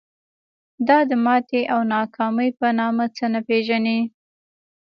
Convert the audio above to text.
دا د ماتې او ناکامۍ په نامه څه نه پېژني.